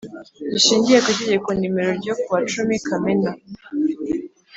Gishingiye ku Itegeko nimero ryo ku wa cumi kamena